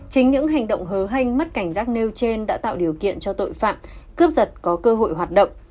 chính những hành động hớ hanh mất cảnh giác nêu trên đã tạo điều kiện cho tội phạm cướp giật có cơ hội hoạt động